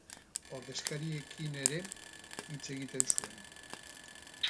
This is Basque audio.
Ordezkariekin ere hitz egiten zuen.